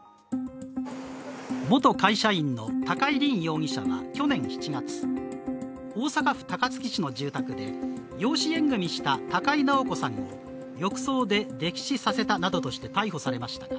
元会社員の高井凜容疑者は去年７月、大阪府高槻市の住宅で養子縁組した高井直子さんを浴槽で溺死させたなどとして逮捕されました。